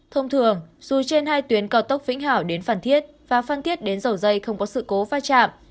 thông thường dù trên hai tuyến cao tốc vĩnh hảo đến phan thiết và phan thiết đến dầu dây không có sự cố pha chạm